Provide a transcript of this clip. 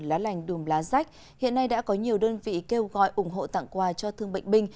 lá lành đùm lá rách hiện nay đã có nhiều đơn vị kêu gọi ủng hộ tặng quà cho thương bệnh binh